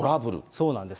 そうなんです。